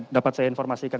dapat saya informasikan